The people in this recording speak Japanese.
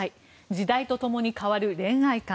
時代と共に変わる恋愛観。